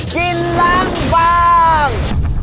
กินล้างบาง